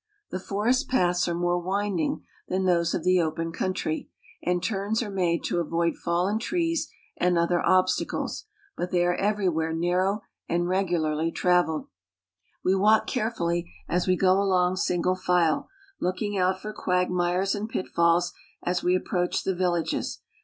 The forest paths are more winding than those of LlFli UPON THE KONGO 23Sl the open country, and turns are made to avoid fallen trees and other obstacles ; but th^y are everywhere narrow and regularly traveled. . "AVe walk carefully, as we go along single file, looking ^ out for quagmires and pitfalls as we approach the villages